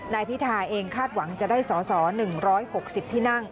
นายพิธาเองคาดหวังจะได้สอสอ๑๖๐ที่นั่ง